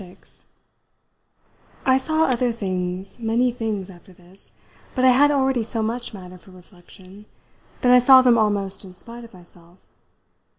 VI I saw other things, many things, after this, but I had already so much matter for reflection that I saw them almost in spite of myself.